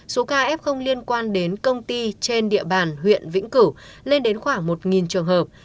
số ca f liên quan đến công ty trên địa bàn huyện vĩnh cửu lên đến khoảng một trường hợp